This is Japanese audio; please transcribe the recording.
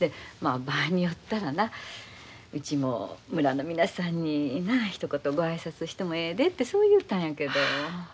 場合によったらなうちも村の皆さんになひと言ご挨拶してもええでてそう言うたんやけど。